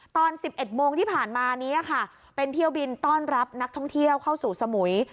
ตอน๑๑โมงที่ผ่านมานี้ค่ะเป็นเที่ยวบินต้อนรับนักท่องเที่ยวเข้าสู่สมุย